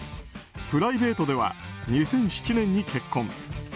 プライベートでは２００７年に結婚。